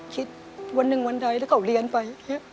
คิดวันหนึ่งวันใดถ้าเขาเรียนไป